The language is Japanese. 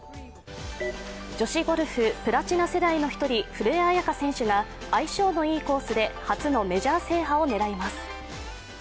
女子ゴルフ、プラチナ世代の１人、古江彩佳選手が相性のいいコースで初のメジャー制覇を狙います。